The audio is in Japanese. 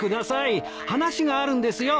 話があるんですよ。